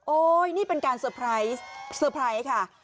โอ๊ยนี่เป็นการสเตอร์ไพรส์ค่ะ